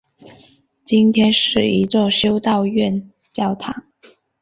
今天是一座修道院教堂。